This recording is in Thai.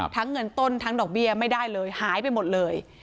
เงินต้นทั้งดอกเบี้ยไม่ได้เลยหายไปหมดเลย